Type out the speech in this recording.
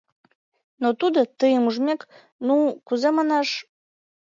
Но тудо, тыйым ужмек, ну-у... кузе манаш...